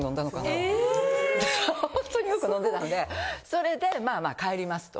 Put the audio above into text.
ホントによく飲んでたのでそれでまあまあ帰りますと。